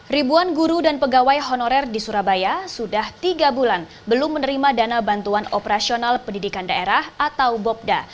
ribuan guru dan pegawai honorer di surabaya sudah tiga bulan belum menerima dana bantuan operasional pendidikan daerah atau bobda